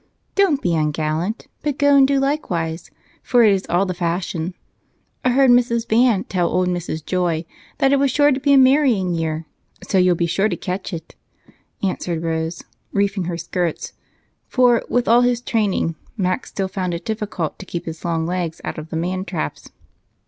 "Don't be ungallant, but go and do likewise, for it is all the fashion. I heard Mrs. Van tell old Mrs. Joy that it was going to be a marrying year, so you'll be sure to catch it," answered Rose, reefing her skirts, for, with all his training, Mac still found it difficult to keep his long legs out of the man traps.